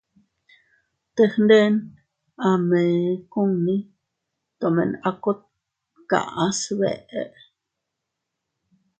Teg nden a mee kunni, tomen a kot kaʼa sbeʼe.